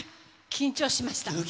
緊張しました？